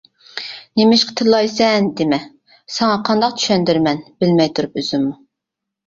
نېمىشقا تىللايسەن، دېمە ساڭا قانداق چۈشەندۈرىمەن بىلمەي تۇرۇپ ئۆزۈممۇ.